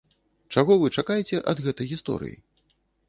Чаго вы чакаеце ад гэтай гісторыі?